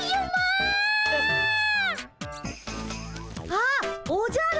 あっおじゃる。